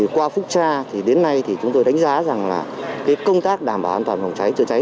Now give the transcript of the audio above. qua phúc tra đến nay chúng tôi đánh giá rằng công tác đảm bảo an toàn phòng cháy chữa cháy